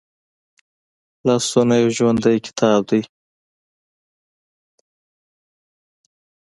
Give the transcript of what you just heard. لاسونه یو ژوندی کتاب دی